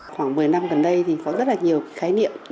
khoảng một mươi năm gần đây thì có rất là nhiều khái niệm